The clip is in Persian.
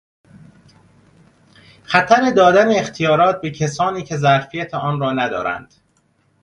خطر دادن اختیارات به کسانی که ظرفیت آن را ندارند.